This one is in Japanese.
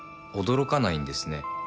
驚かないんですね。